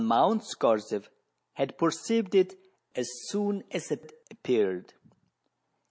213 Mount Scorzef had perceived it as soon as it appeared.